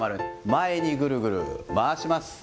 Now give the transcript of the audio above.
前にぐるぐる、回します。